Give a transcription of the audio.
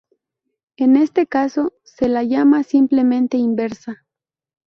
En este caso, se la llama simplemente inversa.